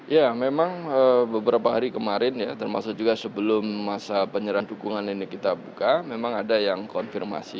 ya memang beberapa hari kemarin ya termasuk juga sebelum masa penyerahan dukungan ini kita buka memang ada yang konfirmasi